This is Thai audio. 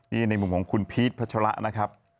นี่ในมุมของคุณพีชพัชระนะครับ